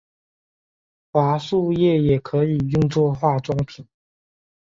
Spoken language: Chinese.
桦树液也可用做化妆品。